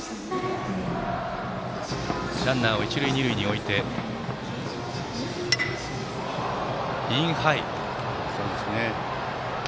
ランナーを一塁二塁に置いてインハイでした。